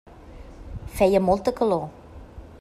Feia molta calor.